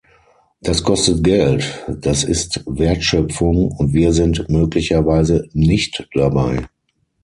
Das kostet Geld, das ist Wertschöpfung, und wir sind möglicherweise nicht dabei.